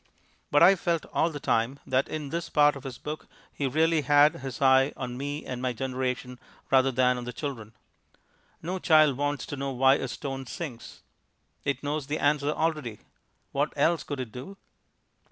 But I felt all the time that in this part of his book he really had his eye on me and my generation rather than on the children. No child wants to know why a stone sinks; it knows the answer already "What else could it do?"